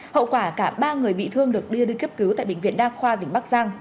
hậu quả cả ba người bị thương được đưa đi cấp cứu tại bệnh viện đa khoa tỉnh bắc giang